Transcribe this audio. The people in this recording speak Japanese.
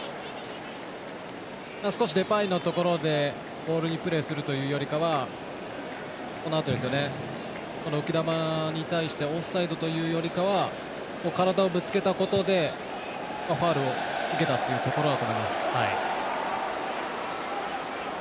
デパイのところでボールにプレスするというよりは浮き球に対してオフサイドというよりかは体をぶつけたことでファウルを受けたっていうところだと思います。